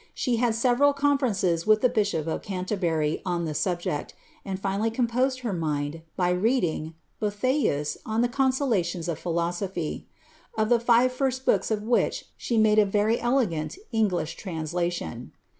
She had several conferences with the archbishop of Canterbury on the subject, and finally composed her mind by read ing ^ Boethius on the Consolations of Philosophy,'' Qf the ^re first bm>k8 of which she made a very elegant English translation.